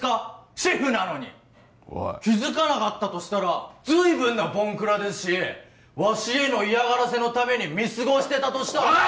シェフなのにおいそうだとしたらずいぶんなボンクラですしわしへの嫌がらせのために見過ごしてたとしたらおい！